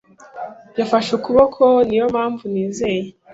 Yafashe ukuboko ni yo mpamvu nizeye